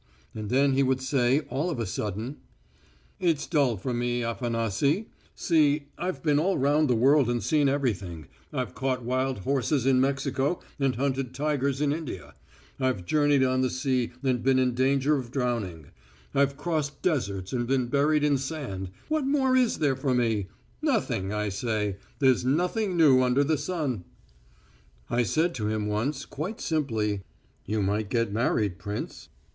And then he would say, all of a sudden: "It's dull for me, Afanasy. See, I've been all round the world and seen everything; I've caught wild horses in Mexico and hunted tigers in India; I've journeyed on the sea and been in danger of drowning; I've crossed deserts and been buried in sand what more is there for me? Nothing, I say; there's nothing new under the sun." I said to him once, quite simply, "You might get married, prince."